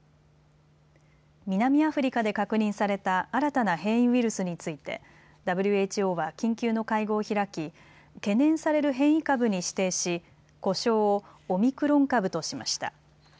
南アフリカで確認された新たな変異ウイルスについてＷＨＯは緊急の会合を開き懸念される変異株に指定し呼称をオミクロン株としました。